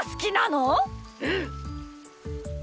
うん！